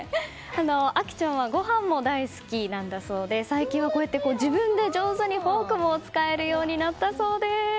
綾季ちゃんはごはんも大好きなんだそうで最近は自分で上手にフォークも使えるようになったそうです。